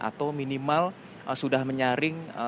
atau minimal sudah menyaring